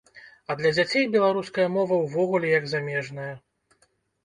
А для дзяцей беларуская мова ўвогуле як замежная.